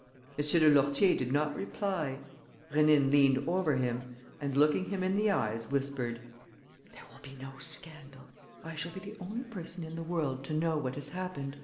M. de Lourtier did not reply. Rénine leant over him and, looking him in the eyes, whispered: "There will be no scandal. I shall be the only person in the world to know what has happened.